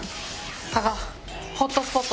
加賀ホットスポット